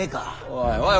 おいおい